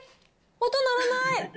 音鳴らない。